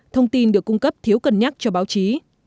thông tin được cung cấp thiếu cân nhắc cho báo chí